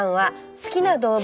好きな動物。